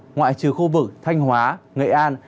ngoại trừ khu vực thanh hóa nghệ an